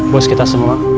bos kita semua